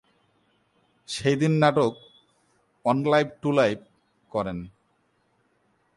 সেই দিন নাটক "অন লাইফ টু লাইফ" করেন।